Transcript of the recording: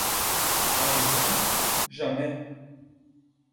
Avec vous, jamais!